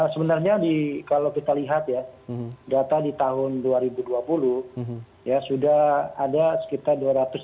sebenarnya kalau kita lihat ya data di tahun dua ribu dua puluh ya sudah ada sekitar dua ratus dua puluh